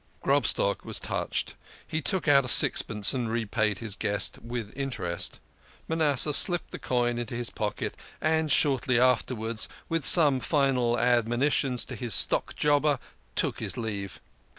Grobstock was touched. He took out a sixpence and repaid his guest with interest. Manasseh slipped the coin into his pocket, and shortly afterwards, with some final admonitions to his stock jobber, took his leave.